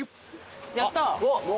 やった。